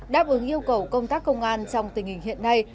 đáp ứng yêu cầu công tác công an trong tình hình hiện nay